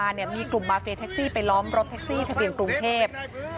ตรงที่ผ่านมามีกลุ่มมาเฟย์แท็กซี่ไปล้อมรถแท็กซี่ทะเตียนกรุงเทพ